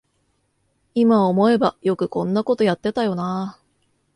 いま思えばよくこんなことやってたよなあ